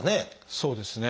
そうですね。